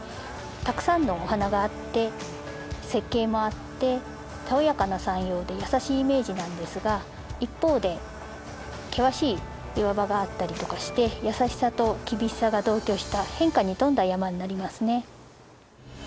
たくさんのお花があって雪渓もあってたおやかな山容で優しいイメージなんですが一方で険しい岩場があったりとかして変化に富んだ山になりますね。